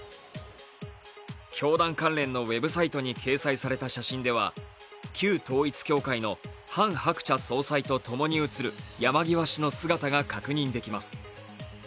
教団関連のウェブサイトに掲載された写真では、旧統一教会のハン・ハクチャ総裁と共に写る山際氏の姿が確認できます。